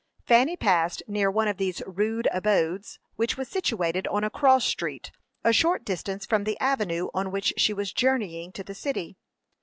Fanny passed near one of these rude abodes, which was situated on a cross street, a short distance from the avenue on which she was journeying to the city.